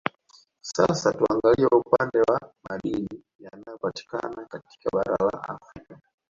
Sasa tuangalie upande wa Madini yanayopatikana katika bara la afrika